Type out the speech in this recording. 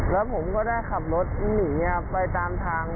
แล้วผมก็ได้ขับรถหนีไปตามทาง